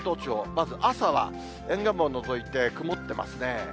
まず朝は、沿岸部を除いて曇ってますね。